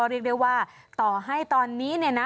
เรียกได้ว่าต่อให้ตอนนี้เนี่ยนะ